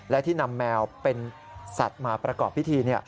และที่นำแมวเป็นสัตว์มาประกอบพิธี